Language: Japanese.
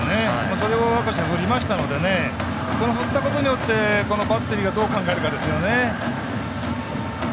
それを明石が振りましたのでこの振ったことによってバッテリーはどう考えるかですね。